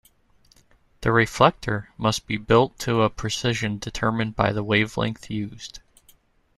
The reflector must be built to a precision determined by the wavelength used.